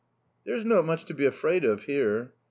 "There's not much to be afraid of here."